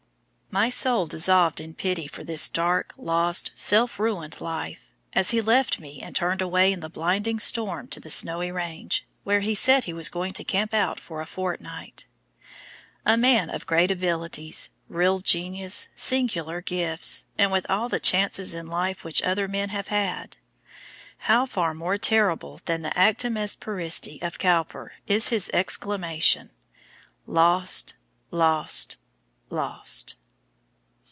My soul dissolved in pity for his dark, lost, self ruined life, as he left me and turned away in the blinding storm to the Snowy Range, where he said he was going to camp out for a fortnight; a man of great abilities, real genius, singular gifts, and with all the chances in life which other men have had. How far more terrible than the "Actum est: periisti" of Cowper is his exclamation, "Lost! Lost! Lost!"